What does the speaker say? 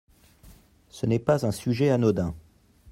Ce n’est pas un sujet anodin.